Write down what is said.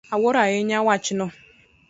Awuoro ahinya wachno.